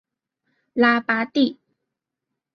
拉巴蒂。